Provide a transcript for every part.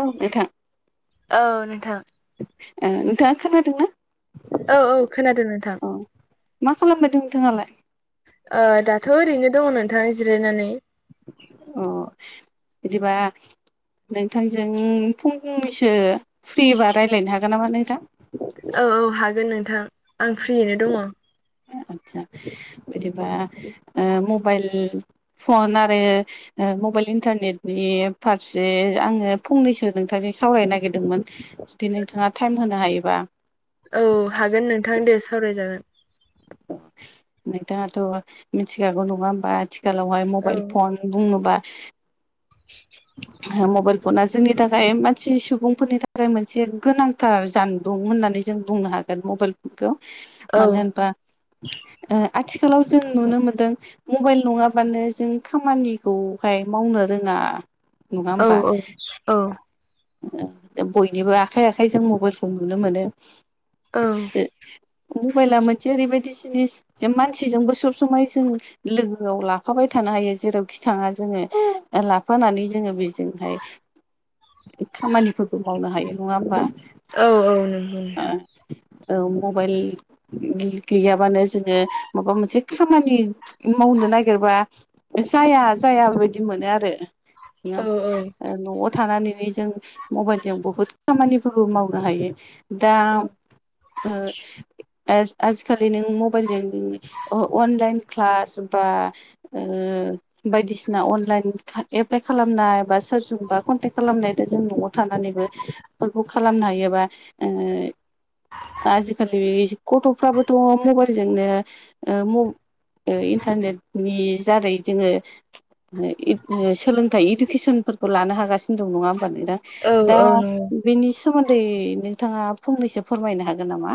औ नोंथां औ नोंथां ओ नोंथांङा खोनादोंना? औ औ खोनादों नोंथां। औ मा खालामबायदों नोंथांङालाय? ओ दाथ' ओरैनो दंङ नोंथां जिरायनानै। अ बिदिबा नोंथांजों फंनैसो फ्रिबा रायलायनो हागोन नामा नोंथां? औ औ हागोन नोंथां आं फ्रियैनो दंङ। आदसा बिदिबा ओ मबाइल फन आरो ओ मबाइल इन्टारनेटनि फारसे आंङो फंनैसो नोंथांजों सावरायनो नागिरदोंमोन। जुदि नोंथांङा टाइम होनो हायोबा औ हागोन नोंथां दे सावरायजागोन। नोंथांङाथ' मिथिखागौ नंङा होमबा आथिखालावहाय औ मबाइल फन बुंङोबा मबाइल फना जोंनि थाखाय मानसि सुबुंफोरनि थाखाय मोनसे गोनां थार जानबुं होननानै जों बुंनो हागोन मबाइलफनखौ औ मानो होनबा ओ आथिखालाव जों नुनो मोनदों मबाइल नंङाबानो जों खामानिखौहाय मावनो रोंङा। नंङा औ होमबा औ बयनिबो आखाइ आखाइजों मबाइलखौ नुनो मोनो। औ ओ मबाइला मोनसे ओरैबायदि जिनिस जे मानसिजोंबो सब समाय जों लोगोआव लाफाबाय थानो हायो जेरावखि थांङा जोंङो। ओ लाफानानै जोंङो बेजोंहाय खामानिफोरबो मावनो हायो नंङा होमबा औ औ नोंगौ ओ नोंथां। औ मबाइल गैयाबानो जोंङो माबा मोनसे खामानि मावनो नागिरबा जाया जाया बे बायदि मोनो आरो औ ओ औ न'आव थानानैनो। जों मबाइलजों बुहुद खामानिफोरबो मावनो हायो। दा औ उम आज आजिखालि नों मबाइलजों अनलाइन क्लास बा [unintelligible] बायदिसिना अनलाइन एप्लाइ खालामनाय बा सोरजोंबा कनटेक्ट खालामनाय दा जों न'आव थानानैबो बेफोरखौ खालामनो हायोबा आजिखालि गथ'फ्राबोथ' मबाइलजोंनो ओ म ओ इन्टारनेटनि जारै जोंङो सोलोंथाइ इदुकेसनफोरखौ लानो हागासिनो दं नंङा होम दा औ दा औ नंगौ बेनि सोमोन्दै नोंथांङा फंनैसो फोरमायनो हागोन नामा?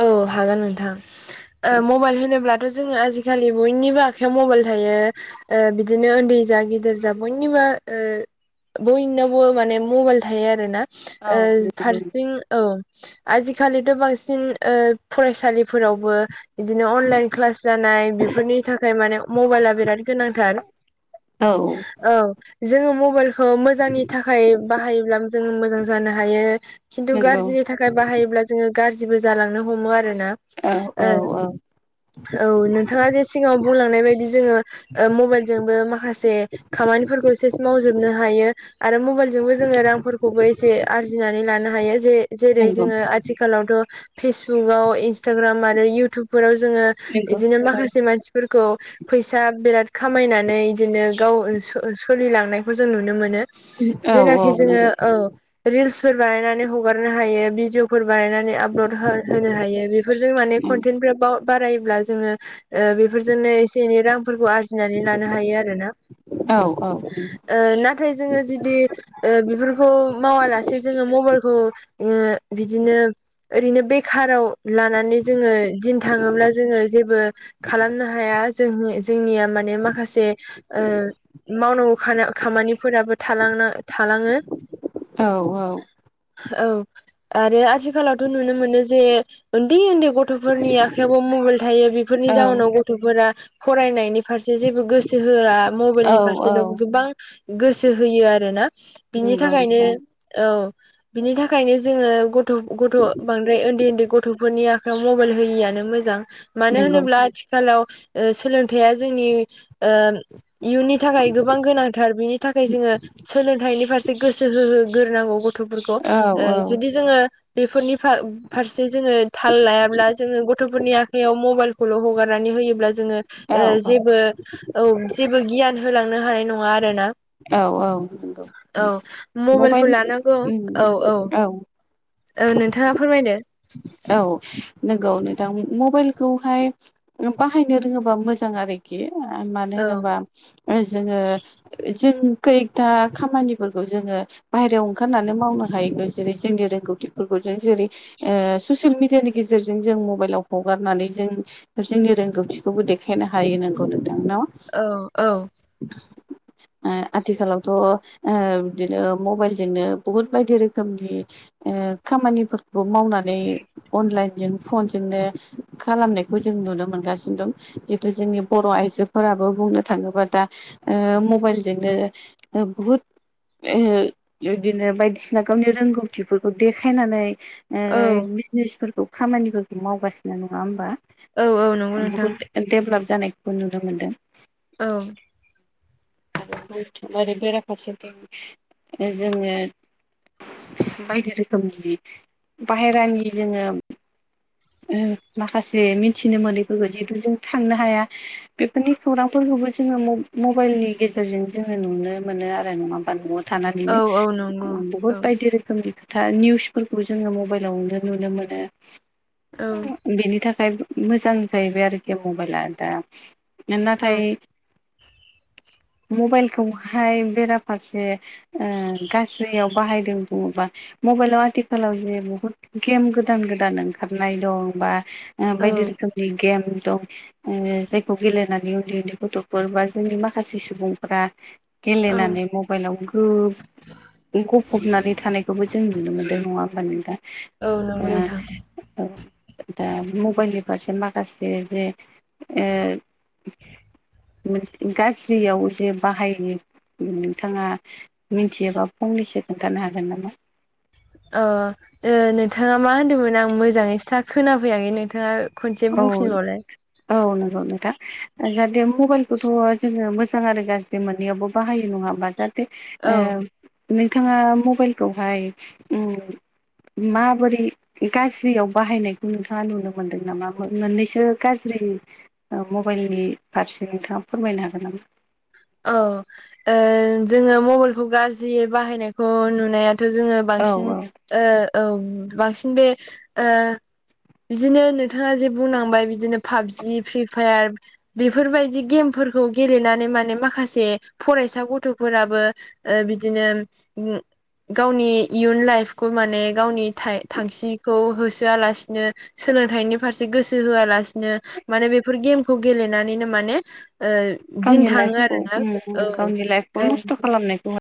औ हागोन नोंथां ओ मबाइल होनोब्ला बो जोंङो आजिखालि बयनिबो आखाइयाव मबाइल थायो। ओ बिदिनो ओन्दै जा गिदिर जा बयनिबो ओ बयनावबो माने मबाइल थायो आरो ना। ओ फारसिथिं औ आजिखालिथ' बांसिन ओ फरायसालिफोरावबो बिदिनो अनलाइन क्लास जानाय बेफोरनि थाखाय माने मबाइला बिराद गोनांथार। औ जोङो मबाइलखौ मोजांनि थाखाय बाहायोब्ला जों मोजां जानो हायो। खिन्थु नंगौ गाज्रिनि थाखाय बाहायोब्ला जोङो गाज्रिबो जालांनो हमो आरो ना औ औ ओ औ औ नोंथाङा जे सिगाङाव बुंलांनाय बायदि जोङो ओ मबाइलजोंबो माखासे खामानिफोरखौ सेस मावजोबनो हायो। आरो मबाइलजोंबो जोङो रांफोरखौबो एसे आरजिनानै लानो हायो जे जेरै नंगौ जोंङो आ आथिखालावथ' फेसबुआव इन्सटाग्राम आरो इयउटुबफोराव जोङो नंगौ इदिनो माखासे मानसिफोरखौ फैसा बिराद खामायनानै बिदिनो गाव सो सोलिलांनायखौ जों नुनो मोनो। औ औ जेनाखि जोङो नंगौ औ रिल्सफोर बानायनानै हगारनो हायो भिडिअफोर बानायनानै आप सो होनो हायो बेफोरजों माने कन्टेन्टफ्रा बाव बारायोब्ला जोङो ओ बेफोरजोंनो एसे एनै रांफोरखौ आरजि जिनानै लानो हायो आरोना औ औ ओ नाथाय जोङो जुदि ओ बेफोरखौ मावालासे जोङो मबाइलखौ ओ बिदिनो ओरैनो बेखाराव लानानै जोङो दिन थाङोब्ला जोङो जेबो खालामनो हाया जों जोंनिया माने माखासे ओ मावनांगौ खा [unintelligible] खामानिफोराबो थालानो थालाङो औ औ औ आरो आथिखालावथ' नुनो मोनो जे उन्दै उन्दै गथ गथ'फोरनि आखाइायावबो मबाइल थायो बेफोरनि औ जाउनावबो ग गथ'फोरा फरायनायनि फारसे जेबो गोसो होआ। औ मबाइलनि औ फारसेल' गोबां गोसो होयो आरोना बिनि नंगौ थाखायनो नोंथां औ बिनि थाखायनो जोङो गथ' गथ' ओमफ्राय उन्दै उन्दै गथ'फोरनि आखायाव मबाइल होयिआानो मोजां मानो नंगौ होनोब्ला आथिखालाव ओ सोलोंथाइया जोंनि ओ इयुननि थाखाय गोबां गोनांथार बिनि थाखाय जोङो सोलोंथाइनि फारसे गोसो होहोगोरनांगौ गथ'फोरखौ औ ओ औ जुदि जोङो बेफोरनि फा फारसे जोङो थाल लायाब्ला जोङो गथ'फोरनि आखाइयाव मबाइल खौल' हगारनानै होयोब्ला जोङो औ ओ औ जेबो औ जेबो गियान होलांनो हानाय न [unintelligible] आरोना। औ औ नंगौ नोंथां औ मबाइलखौ मबाइल लानांगौ औ औ। ओ नोंथाङा फोरमायदो। औ नोंगौ नोंथां मबाइलखौहाय बाहायनो रोङोबा मोजां आरोखि ओ मानो औ होनोबा ओ जोङो जों खैथा खामानिफोरखौ जोङो बाहेरायाव ओंखारनानै मावनो हायो जेरै जोंनि रोंगौथिफोरखौ जों जेरै ओ ससियेल मिडियानि गेजेरजों जों मबाइलाव हगारनानै जों जोंनि रोंगौथिखौबो देखायनो हायो नोंगौ नोंथां ना? औ औ। [inaudible] ओ आथिखालावथ' ओ बिदिनो मबाइलजोंनो बुहुत बायदि रोखोमनि ओ खामानिफोरखौबो मावनानै अनलाइनजों फनजोंनो खालामनायखौ जों नुनो मोनगासिनो दं जितु जोंनि बर' आइजोफोराबो बुंनो थाङोबा दा ओ मबाइलजोंनो ओ बुहुद ओ इदिनो बायदिसिना गावनि रोंगौथिफोरखौ देखायनानै ओ औ बिजनेसफोरखौ खामानिफोरखौ मावगासिनो नङा होमबा औ औ नंगौ नोंथां बहुद डेभलप जानायखौ नुनो मोनदों। औ आरो [unintelligible] बेराफारसेथिं जोङो बायदि रोखोमनि बाहेरानि जोङो उ माखासे मिथिनो मोनैफोरखौ जिहेतु जों थांनो हाया। बेफोरनि खौरांफोरखौबो जोङो म-मबाइलनि गेजेरजों जोङो नुनो मोनो आरो नङाबा न'आव औ थानानैनो औ नंगौ उ औ बहुत बायदि रोखोमनि दा निउसफोरखौ जोङो मबाइलावनो नुनो मोनो। औ बेनि थाखाय मोजां जाहैबाय आरोखि मबाइला दा औ नाथाय मबाइलखौहाय बेराफारसे ओ गाज्रियाव बाहायदों बुङोबा मबाइलाव आथिखालाव जे बुहुत गेम गोदान गोदान ओं खारनाय दं बा ओ औ बायदि रोखोमनि गेम दं। ओ जायखौ गेलेनानै उन्दै उन्दै गथ'फोर बा जोंनि माखासे सुबुंफ्रा औ गेलेनानै म मबाइलाव गो गफबनानै थानायखौबो जों नुनो मोन्दों नङा होमबा नोंथां। औ नंगौ ओ नोंथां औ दा मबाइलनि फारसे माखासे जे ओ उ गाज्रियाव जे बाहायो उ नोंथाङा मिथियोबा फंनैसो खोन्था अ ओ नोंथाङा मा होनदोंमोन आं मोजाङै स्रा खोनाफैयाखै नोंथाङा खनसे औ बुंफिनबावलाय औ नंगौ नोंथां जाहाथे मबाइलखौथ' जोङो मोजां आरो गाज्रि मोननैयावबो बाहायो नङा हा जा औ ओ नोंथाङा मबाइलखौहाय उ माबोरै गाज्रियाव बाहायनायखौ नोंथाङा नुनो मोनदों नामा? मोननैसो गाज्रि ओ मबाइलनि फारसे नोंथाङा फोरमायनो हागोन नामा? औ ओ जोङो मबाइलखौ गाज्रि बाहायनायखौ नुनायाथ' जोङो औ बांसिन औ ओ औ बांसिन बे ओ बिदिनो नोंथाङा जे बुंनांबाय बिदिनो पाबजि फ्रि फायार बेफोरबायदि गेमफोरखौ गेलेनानै माने माखा से फरायसा गथ'फोराबो ओ बिदिनो उ गावनि इयुन लाइफखौ माने गावनि था-थांखिखौ होसोआलासिनो सोलोंथाइनि फारसे गोसो होआलासिनो माने बेफोर गेमखौ गेलेनानैनो माने ओ दिन थाङो आरो उ उ गावनि लाइफखौ नस्थ' खालामनायखौ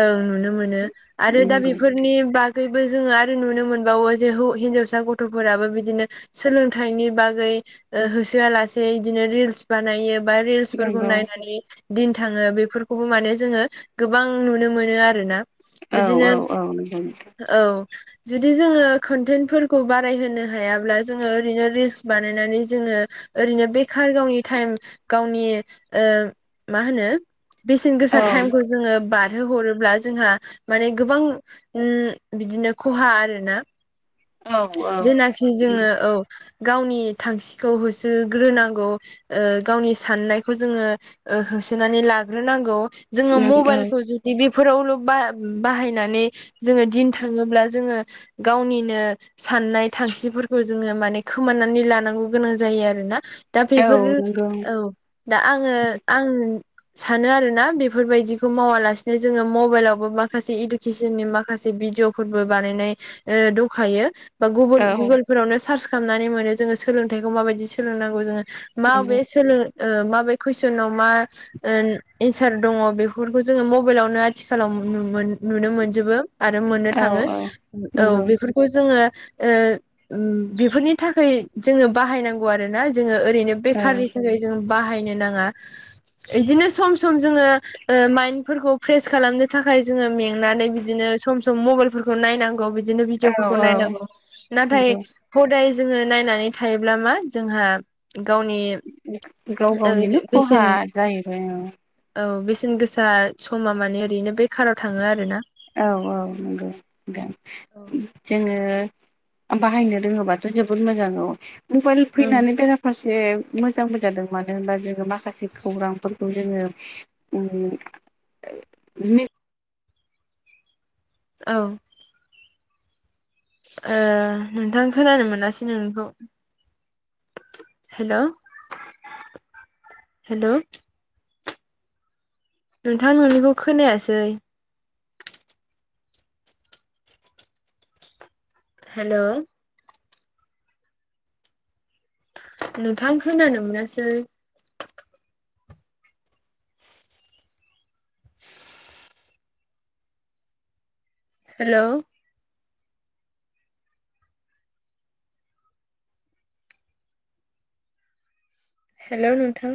औ नुनो मोनो आरो दा नंगौ बेफोर नि बागैबो जोङो आरो नुनो मोनबावो जे हौ हिनजावसा गथ'फोराबो बिदिनो सोलोंथाइनि बागै ओ होसोआ लासे बिदिनो रिल्स बानायो बा रिलसफोखौ नंगौ नायनानै दिन थाङो बेफोरखौबो माने जोङो गोबां नुनो मोनो आरोना औ बिदिनो औ औ नंगौ नोंथां औ जुदि जोङो कन्टेन्टफोरखौ बारायहोनो हायाब्ला जोङो ओरैनो रिल्स बानायनानै जोङो ओरैनो बेखार गावनि टाइम गावनि ओ मा होनो बेसेन गोसा औ टाइमखौ जोङो बारहोहरोब्ला जोंहा माने गोबां उ बिदिनो खहा आरोना औ जेनाखि जोङो औ गावनि थांखिखौ होसोग्रोनांगौ। ओ गावनि साननायखौ जोङो ओ होसोनानै लाग्रोनांगौ जोङो नों औ मबाइलखौ जु दि बेफोरावल' बा-बाहायनानै जोङो दिन थाङोब्ला जोङो गावनिनो साननाय थांखिफोरखौ जोङो माने खोमानानै लानांगौ गोनां जायो आरोना दा औ बेफोर नंगौ औ दा आङो आं सानो आरोोना बेफोरबायदिखौ मावालासिनो जोङो मबाइलावबो माखासे इु किसननि नि माखासे भिदििअ फोरबो बानायनाय दंखायो। बा गुगोल औ गुगोलफोरावनो सार्च खालामनानै मोनो जोङो सोलोंथाइखौ माबायदि सोलोंनांगौ जोङो माबे नंगौ सोलों माबे कुइसनाव मा एन्सार दङ बेफोरखौ जोङो मबाइलावनो आथिखालाव नुनो मोनजोबो। आरो मोननो औ नंगौ औ थाङो औ बेफोरखौ जोङो बेफोरनि थाखाय जोङो बाहायनांगौ आरोना जोङो ओरैनो बेखारनि थाखाय जों बाहायनो नाङा बिदिनो सम सम जोङो माइन्डफोरखौ फ्रेस खालामनो थाखाय जोङो मेंनानै बिदिनो सम सम मबाइलफोरखौ नायनांगौदि बिदिनो औ भिडिअफोरखौ औ नायनांगौ नाथाय नंगौ हदाय जोङो नायनानै थायोब्ला मा जोंहा गावनि गाव गावनिनो खहा बेसेन जाहैबाय औ औ बेसेन गोसा समा माने ओरैनो बे काराव थाङो आरो ना औ औ नंगौ दां औ जोङो बाहायनो रोङोबाथ' जोबोद मोजां औ मबाइल फैनानै बेरा फारसे मोजांबो जादों मानो होनबा जोङो माखासे खौरांफोरखौ जोङो [inaudible] औ। नोंथां खोनानो मोनासै नोंखौ। हेल' हेल'। नोंथां ननिखौ खोनायासै। हेल'? नोंथां खोनानो मोनासै। हेल'? हेल' नोंथां?